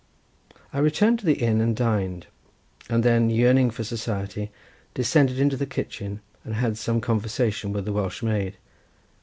I returned to the inn and dined, and then yearning for society, descended into the kitchen and had some conversation with the Welsh maid.